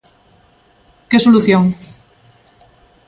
¿Que solución?